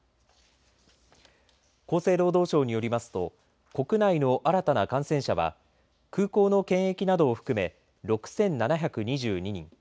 厚生労働省によりますと国内の新たな感染者は空港の検疫などを含め６７２２人。